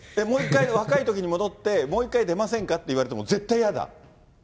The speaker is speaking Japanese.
もう一回、若いときに戻って、もう一回出ませんかっていわれても絶対嫌だ？